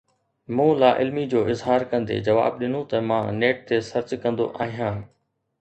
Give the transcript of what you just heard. مون لاعلمي جو اظهار ڪندي جواب ڏنو ته مان نيٽ تي سرچ ڪندو آهيان.